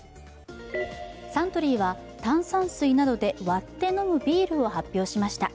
サントリーは、炭酸水などで割って飲むビールを発表しました。